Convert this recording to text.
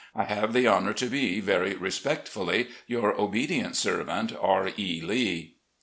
I have the honour to be, very respectfully, "Your obe^ent servant, R. E. Lee."